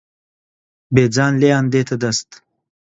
بێجان لێیان دێتە دەست